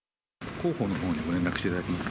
広報のほうに連絡していただけますか。